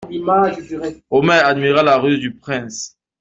Omer admira la ruse du prince.